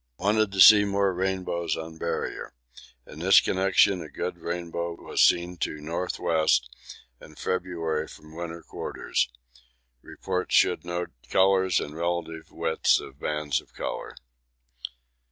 Wanted to see more rainbows on Barrier. In this connection a good rainbow was seen to N.W. in February from winter quarters. Reports should note colours and relative width of bands of colour.